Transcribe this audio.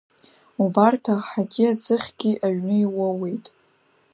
Убарҭ аҳагьы аӡыхьгьы аҩны иуоуеит.